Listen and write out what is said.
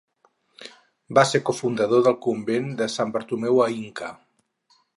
Va ser cofundador del convent de Sant Bartomeu a Inca.